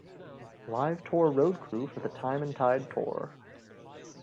Live tour roadcrew for the Time and Tide tour.